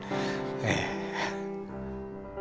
ええ。